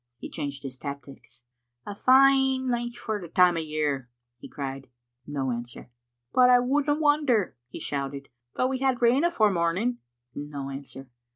He changed his tactics. "A fine nicht for the time o' year," he cried. No answer. "But I wouldna wonder," he shouted, "though we had rain afore morning. " No answer.